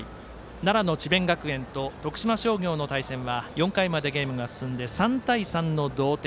奈良の智弁学園と徳島商業の対戦は４回までゲームが進んで３対３の同点。